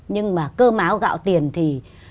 nhưng mà cơm áo gạo tiền thì